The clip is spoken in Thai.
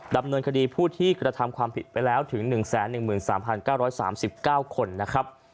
ดำเนินคดีผู้ที่กระทำความผิดไปแล้วถึง๑๑๓๙๓๙คนนะครับ